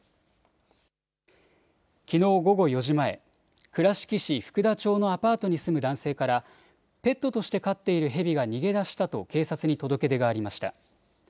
きのう午後４時前、倉敷市福田町のアパートに住む男性からペットとして飼っているヘビが逃げ出したと警察に届け出がありました。